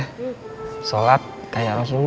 sholat kayak rasulullah